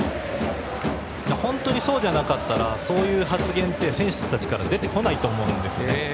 本当にそうじゃなかったらそういう発言って選手から出てこないと思うんです。